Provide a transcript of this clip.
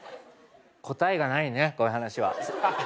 答えがないねこういう話は。